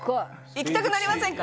「行きたくなりませんか？」